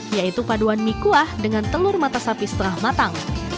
yaitu paduan mie kuah dengan telur mata sapi setelah matang